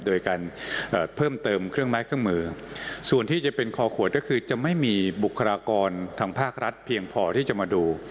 โดยการเพิ่มเติมเครื่องไม้เครื่องมือส่วนที่จะเป็นคอขวดก็คือจะไม่มีบุคลากรทางภาครัฐเพียงพอที่จะมาดู